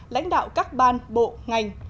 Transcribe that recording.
lãnh đạo các ban bộ ngành